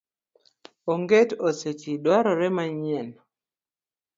Onget oseti dwarore manyien.